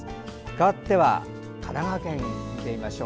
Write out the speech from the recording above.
かわっては神奈川県です。